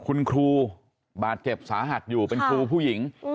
คุณครูบาดเจ็บสาหัสอยู่เป็นครูผู้หญิง